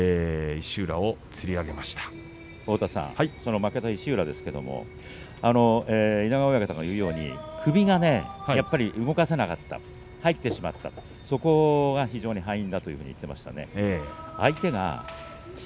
負けた石浦ですが稲川親方が言うように首が動かせなかった入ってしまったそこが非常に敗因だと言っていました。